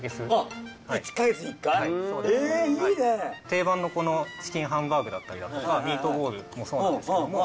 定番のこのチキンハンバーグだったりだとかミートボールもそうなんですけども。